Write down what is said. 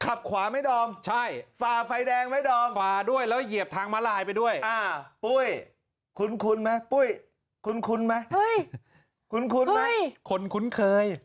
ครับขวาไม้ดอมใช่ฝ่าไฟแดงไม้ดอมฝ่าด้วยแล้วเหยียบทางมาลายไปด้วยอ้าวปุ้ยคุ้นไหมปุ้ยคุ้นไหมเฮ้ยคุณคุ้นเฮ้ยคุณคุ้นเคย